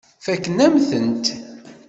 Fakken-am-tent.